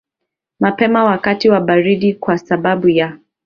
mapema wakati wa baridi kwa sababu ya